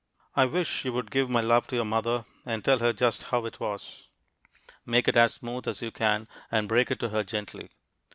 I wish you would give my love to your mother and tell her just how it was. Make it as smooth as you can and break it to her gently.